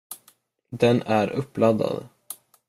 Den är uppladdad.